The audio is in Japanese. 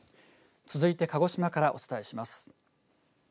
続いて鹿児島からお伝えします。